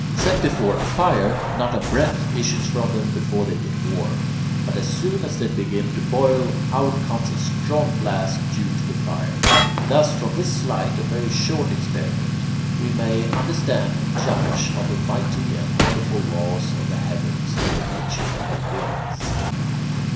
Set before a fire, not a breath issues from them before they get warm; but as soon as they begin to boil, out comes a strong blast due to the fire. Thus from this slight and very short experiment we may understand and judge of the mighty and wonderful laws of the heavens and the nature of winds.